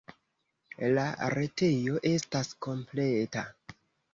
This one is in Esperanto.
La retejo estas kompleta.